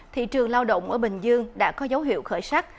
thị trường lao động ở bình dương đã có dấu hiệu khởi sắc